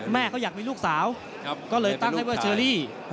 แม่ก็อยากมีลูกสาวก็เลยตั้งให้ว่าเชอรี่